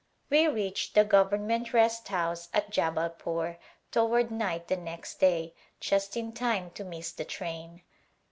We reached the Government Rest House at Jubalpore toward night the next day just in time to miss the train.